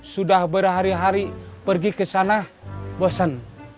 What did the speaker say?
sudah berhari hari pergi kesana bosan